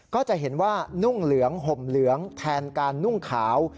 ก็จะเห็นว่านุ่งเหลืองห่มเหลืองแทนการนุ่งขาว